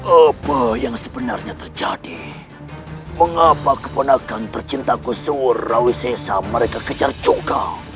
apa yang sebenarnya terjadi mengapa keponakan tercinta kusur rawisesa mereka kejar cuka